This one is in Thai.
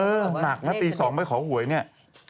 หนักนะตี๒ไปขอหวยเนี่ย